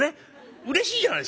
うれしいじゃないですか。